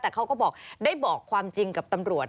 แต่เขาก็บอกได้บอกความจริงกับตำรวจ